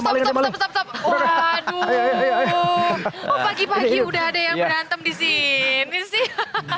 pagi pagi udah ada yang berantem disini sih